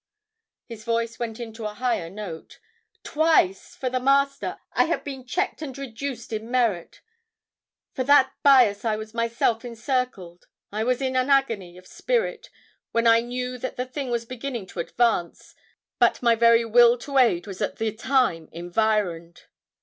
His voice went into a higher note. "Twice, for the Master, I have been checked and reduced in merit. For that bias I was myself encircled. I was in an agony of spirit when I knew that the thing was beginning to advance, but my very will to aid was at the time environed."